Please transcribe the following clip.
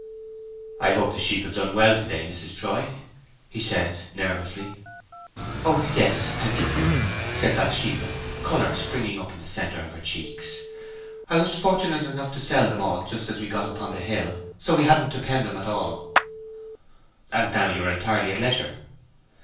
"I hope the sheep have done well to day, Mrs. Troy?" he said, nervously. "Oh yes, thank you," said Bathsheba, colour springing up in the centre of her cheeks. "I was fortunate enough to sell them all just as we got upon the hill, so we hadn't to pen at all." "And now you are entirely at leisure?"